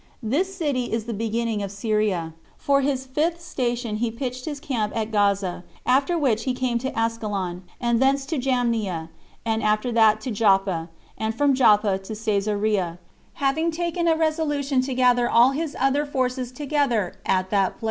This city is the beginning of Syria. For his fifth station he pitched his camp at Gaza; after which he came to Ascalon, and thence to Jamnia, and after that to Joppa, and from Joppa to Cesarea, having taken a resolution to gather all his other forces together at that place.